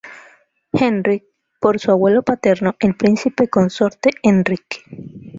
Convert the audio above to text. Henrik por su abuelo paterno, el príncipe consorte Enrique.